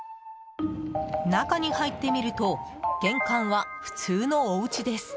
中に入ってみると玄関は普通のおうちです。